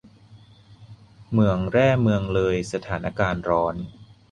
เหมืองแร่เมืองเลย สถานการณ์ร้อน !